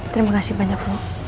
terima kasih banyak bu